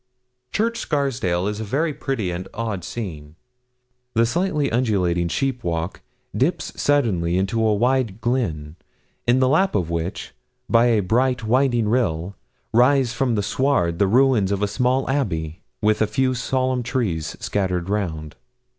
Church Scarsdale is a very pretty and odd scene. The slightly undulating sheep walk dips suddenly into a wide glen, in the lap of which, by a bright, winding rill, rise from the sward the ruins of a small abbey, with a few solemn trees scattered round.